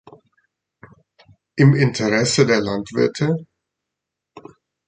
Im Interesse der Landwirte?